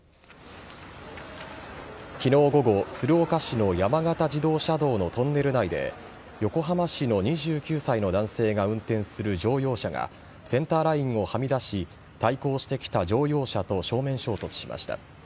昨日午後鶴岡市の山形自動車道のトンネル内で横浜市の２９歳の男性が運転する乗用車がセンターラインをはみ出し対向してきた乗用車と正面衝突しました。